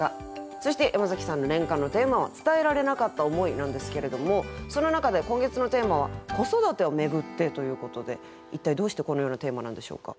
そして山崎さんの年間のテーマは「伝えられなかった思い」なんですけれどもその中で今月のテーマは「『子育て』をめぐって」ということで一体どうしてこのようなテーマなんでしょうか？